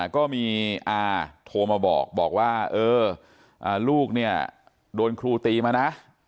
ก็มีอาโทรมาบอกบอกว่าเออลูกเนี่ยโดนครูตีมานะ